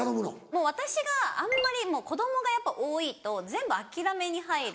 もう私があんまり子供がやっぱ多いと全部諦めに入る。